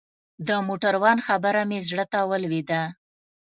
د موټروان خبره مې زړه ته ولوېده.